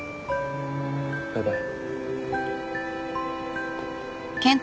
バイバイ。